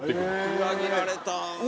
裏切られた！